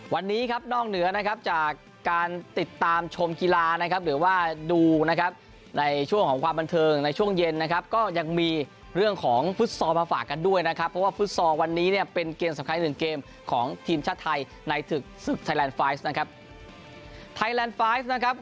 วันนี้ครับนอกเหนือนะครับจากการติดตามชมกีฬานะครับหรือว่าดูนะครับในช่วงของความบันเทิงในช่วงเย็นนะครับก็ยังมีเรื่องของฟุตซอลมาฝากกันด้วยนะครับเพราะว่าฟุตซอลวันนี้เนี่ยเป็นเกมสำคัญหนึ่งเกมของทีมชาติไทยในศึกศึกไทยแลนดไฟซ์นะครับไทยแลนด์ไฟล์นะครับ